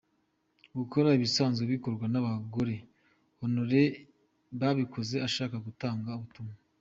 Gukora ibisanzwe bikorwa n’abagore, Honore yabikoze ashaka gutanga ubutumwa.